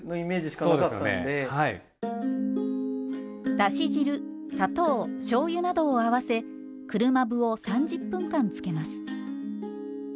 だし汁砂糖しょうゆなどを合わせ車麩を３０分間つけます。